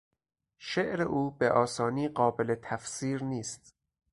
شعر او به آسانی قابل تفسیر نیست.